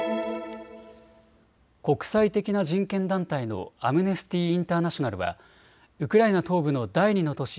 国際的な人権団体のアムネスティ・インターナショナルはウクライナ東部の第２の都市